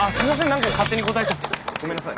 何か勝手に答えちゃってごめんなさい。